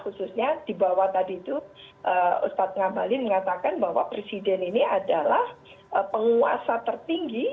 khususnya di bawah tadi itu ustadz ngabalin mengatakan bahwa presiden ini adalah penguasa tertinggi